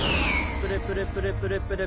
プルプルプルプルプル。